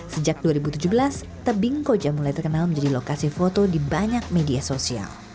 sejak dua ribu tujuh belas tebing koja mulai terkenal menjadi lokasi foto di banyak media sosial